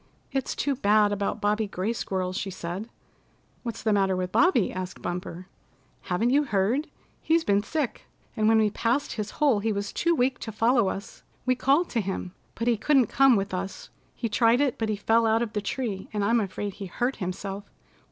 "It's too bad about Bobby Gray Squirrel," she said. "What's the matter with Bobby?" asked Bumper. "Haven't you heard? He's been sick, and when we passed his hole he was too weak to follow us. We called to him, but he couldn't come with us. He tried it, but he fell out of the tree, and I'm afraid he hurt himself."